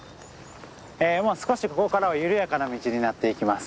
もう少しここからは緩やかな道になっていきます。